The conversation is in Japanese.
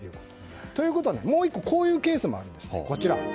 ということで、もう１個こういうケースもあるんです。